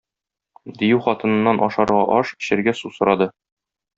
Дию хатыныннан ашарга аш, эчәргә су сорады.